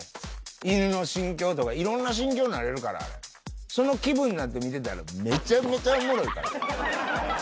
犬の心境とか、いろんな心境なれるから、その気分なって見てたら、めちゃめちゃおもろいから。